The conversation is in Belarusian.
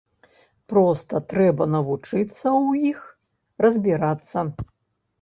Проста трэба навучыцца ў іх разбірацца.